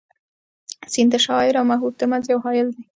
سیند د شاعر او محبوب تر منځ یو حایل دی.